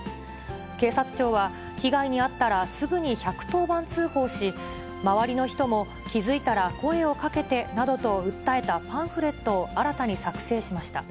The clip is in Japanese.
警察庁は、被害に遭ったらすぐに１１０番通報し、周りの人も気付いたら声をかけてなどと訴えたパンフレットを新たに作成しました。